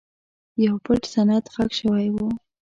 یو پټ سند ښخ شوی و.